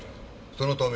そのため。